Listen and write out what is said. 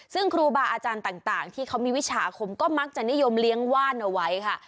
ซึ่งครูบาอาจารย์ต่างที่เขามีวิชาอาคมก็มักจะนิยมเลี้ยงว่านเอาไว้ค่ะ